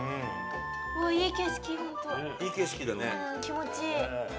気持ちいい！